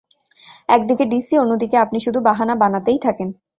একদিকে ডিসি, অন্যদিকে আপনি শুধু বাহানা বানাতেই থাকেন।